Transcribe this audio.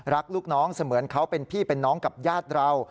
ลูกน้องเสมือนเขาเป็นพี่เป็นน้องกับญาติเรา